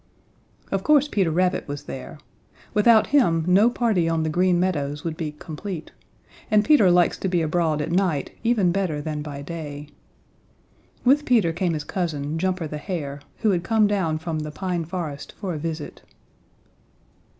Of course Peter Rabbit was there. Without him no party on the Green Meadows would be complete, and Peter likes to be abroad at night even better than by day. With Peter came his cousin, Jumper the Hare, who had come down from the Pine Forest for a visit.